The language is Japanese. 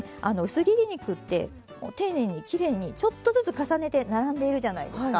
薄切り肉って丁寧にきれいにちょっとずつ重ねて並んでいるじゃないですか。